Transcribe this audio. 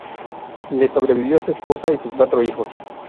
Le sobrevivió su esposa y sus cuatro hijos.